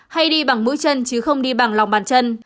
hay đi bằng mũi chân chứ không đi bằng lòng bàn chân